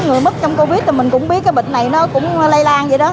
người mất trong covid thì mình cũng biết cái bệnh này nó cũng lây lan vậy đó